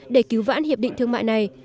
để cứu vãn hiệp định thương mại này